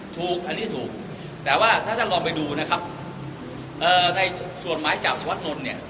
ถูกอันนี้ถูกแต่ว่าถ้าท่านลองไปดูนะครับเอ่อในส่วนหมายจับสุวัตนนท์เนี่ย